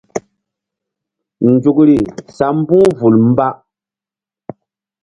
Nzukri sa mbu̧h vul mba.